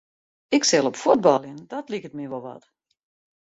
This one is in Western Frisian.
Ik sil op fuotbaljen, dat liket my wol wat.